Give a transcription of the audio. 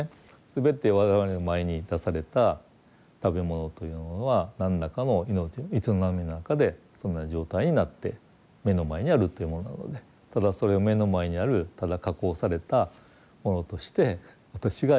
全て我々の前に出された食べ物というのは何らかの命の営みの中でそんな状態になって目の前にあるというものなのでただそれを目の前にあるただ加工されたものとして私が頂くという感覚なのか